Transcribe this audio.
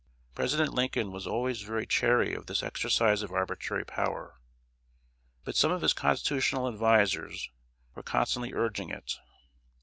President Lincoln was always very chary of this exercise of arbitrary power; but some of his constitutional advisers were constantly urging it.